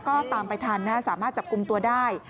ก็ตามไปทันนะสามารถจับกลุ่มตัวได้